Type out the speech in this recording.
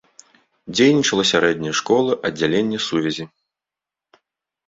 Дзейнічала сярэдняя школа, аддзяленне сувязі.